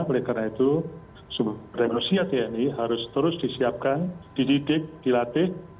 oleh karena itu sumber daya manusia tni harus terus disiapkan dididik dilatih